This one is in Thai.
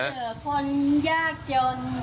เหลือคนยากจน